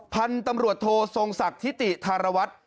พันธุ์ตำรวจโททรงศักดิ์ทิติธารวัตร